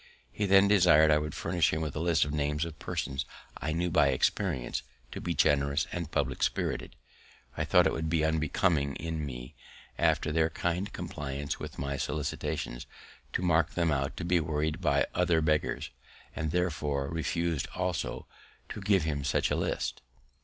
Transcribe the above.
He then desired I would furnish him with a list of the names of persons I knew by experience to be generous and public spirited. I thought it would be unbecoming in me, after their kind compliance with my solicitations, to mark them out to be worried by other beggars, and therefore refus'd also to give such a list.